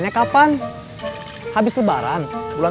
saya apakah sememangnya suara f tiga ratus